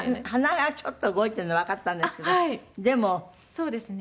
そうですね。